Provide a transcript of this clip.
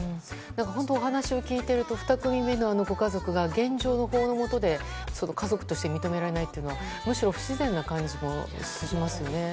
お話を聞いていると２組目のご家族が現状の法の下で、家族として認められないというのはむしろ不自然な感じもしますよね。